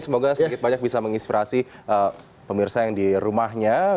semoga sedikit banyak bisa menginspirasi pemirsa yang di rumahnya